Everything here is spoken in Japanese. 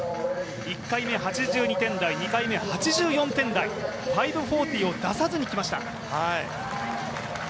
１回目、８２点台、２回目、８４点台、５４０を出さずにきました。